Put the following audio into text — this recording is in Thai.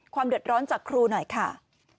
เดือดร้อนจากครูหน่อยค่ะ